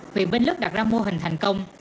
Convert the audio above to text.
huyện bến lức đặt ra mô hình thành công